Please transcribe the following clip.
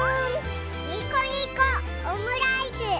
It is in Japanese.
にこにこオムライス！